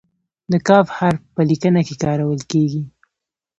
د "ک" حرف په لیکنه کې کارول کیږي.